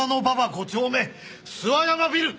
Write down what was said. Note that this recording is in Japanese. ５丁目諏訪山ビル！